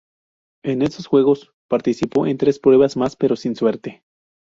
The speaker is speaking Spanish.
En estos mismos Juegos, participó en tres pruebas más, pero sin suerte.